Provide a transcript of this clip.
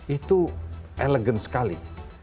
itu elegan sekali